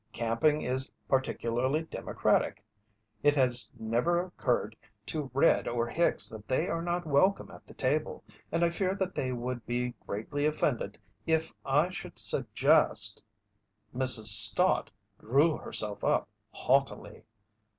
Camping is particularly democratic. It has never occurred to 'Red' or Hicks that they are not welcome at the table, and I fear that they would be greatly offended if I should suggest " Mrs. Stott drew herself up haughtily.